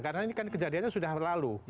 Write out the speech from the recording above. karena ini kan kejadiannya sudah lalu